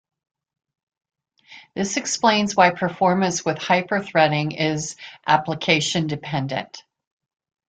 This explains why performance with hyper-threading is application-dependent.